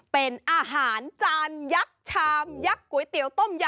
เป็นอาหารจานยักษ์ชามยักษ์ก๋วยเตี๋ยวต้มยำ